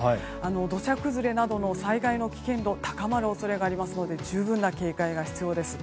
土砂崩れなどの災害の危険度、高まる恐れがありますので十分な警戒が必要です。